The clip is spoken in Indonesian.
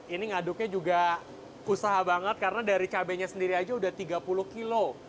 ini ngaduknya juga usaha banget karena dari cabainya sendiri aja udah tiga puluh kilo